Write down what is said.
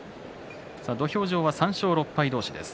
土俵上は３勝６敗同士です。